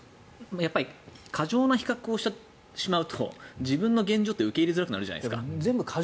過剰な比較をしてしまうと自分の現状って受け入れづらくなるじゃないですか。